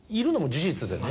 事実でね。